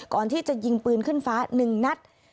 ก่อนที่จะยิงปืนขึ้นฟ้า๑นัด